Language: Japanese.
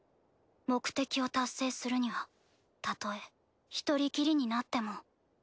目的を達成するにはたとえ一人きりになっても。